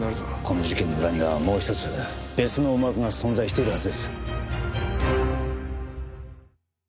この事件の裏にはもう一つ別の思惑が存在しているはずです。